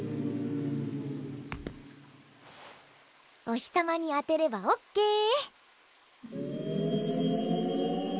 お日さまにあてればオッケー！